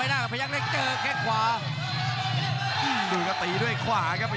เดินสุดท้าย